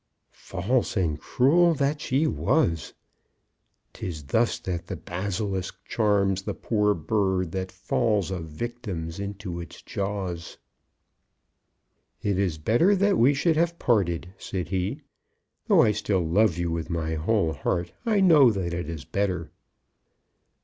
False and cruel that she was! 'Tis thus that the basilisk charms the poor bird that falls a victim into its jaws. "It is better that we should have parted," said he. "Though I still love you with my whole heart, I know that it is better."